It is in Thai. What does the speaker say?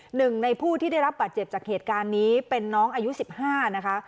หนึ่งในผู้ที่ได้รับบาดเจ็บจากเหตุการณ์นี้เป็นน้องอายุ๑๕นะคะ